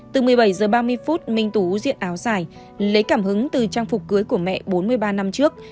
từ một mươi bảy h ba mươi phút minh tú diện áo dài lấy cảm hứng từ trang phục cưới của mẹ bốn mươi ba năm trước